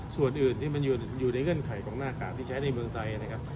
ส่วนอื่นที่มันอยู่ในเงื่อนไขของหน้ากากที่ใช้ในเมืองไทยนะครับ